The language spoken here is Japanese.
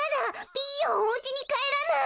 ピーヨンおうちにかえらない。